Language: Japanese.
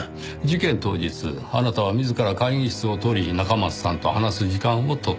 事件当日あなたは自ら会議室を取り中松さんと話す時間を取った。